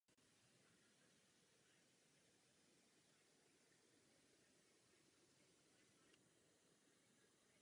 Zavlečen byl též do Severní i Jižní Ameriky a Austrálie.